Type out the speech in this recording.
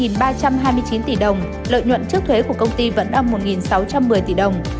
lợi nhuận trước thuế của công ty vẫn âm một sáu trăm một mươi tỷ đồng